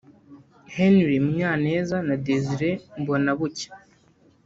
Henry Munyaneza na Desire Mbonabucya